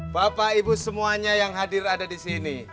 bapak ibu semuanya yang hadir ada disini